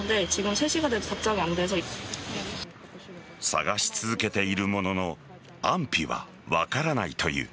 捜し続けているものの安否は分からないという。